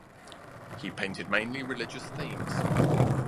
He painted mainly religious themes.